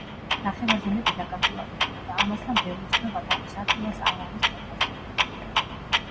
ნახევარზე მეტი დაკარგულად ითვლება; ამასთან ბევრი ცნობა თავის ადგილას არ არის მოთავსებული.